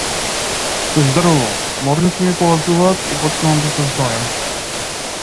Се здрвувам, морници ми полазуваат и почнувам да се знојам.